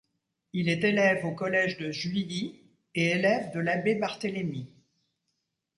Il est élève au Collège de Juilly, et élève de l'abbé Barthélemy.